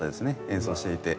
演奏していて。